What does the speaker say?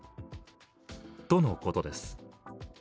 とのことです。